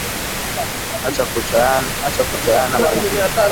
Acha kuchayana maibwe